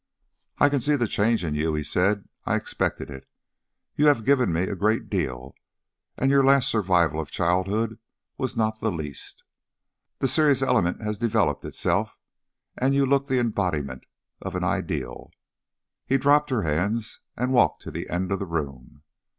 "I see the change in you," he said. "I expected it. You have given me a great deal, and your last survival of childhood was not the least. The serious element has developed itself, and you look the embodiment of an Ideal." He dropped her hands and walked to the end of the room.